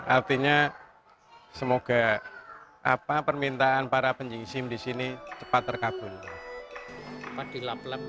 artinya semoga apa permintaan para penyisim di sini cepat terkabul